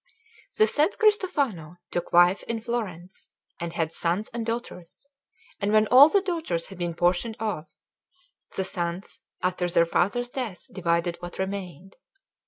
The said Cristofano took wife in Florence, and had sons and daughters; and when all the daughters had been portioned off, the sons, after their father's death, divided what remained.